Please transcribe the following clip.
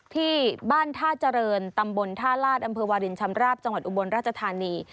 ที่บ้านท่าเจริญตำบลท่าลาศอำเภอวาลินชำราบจังหวัดอุบลราชธานี